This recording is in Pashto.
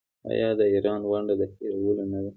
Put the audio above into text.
آیا د ایران ونډه د هیرولو نه ده؟